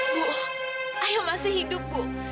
bu ayo masih hidup bu